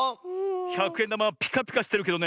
ひゃくえんだまはピカピカしてるけどね